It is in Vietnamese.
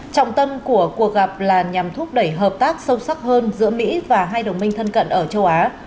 trọng tâm của cuộc gặp là nhằm thúc đẩy hợp tác sâu sắc hơn giữa mỹ và hai đồng minh thân cận ở châu á